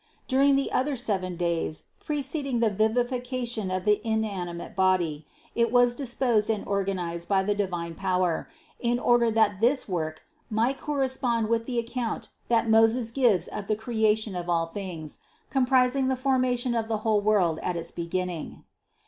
During the other seven days preceding the vivification of the inanimate body, it was disposed and organized by the divine power, in order that this work might corre spond with the account that Moses gives of the Creation of all things, comprising the formation of the whole world at its beginning.